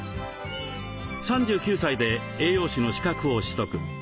３９歳で栄養士の資格を取得。